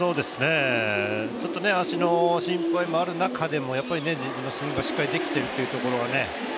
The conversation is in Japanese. ちょっと足の心配もある中でもやっぱり自分のスイングがしっかりできているというところがね。